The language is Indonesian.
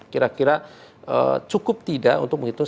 kira kira cukup tidak untuk menghitung satu x dua puluh empat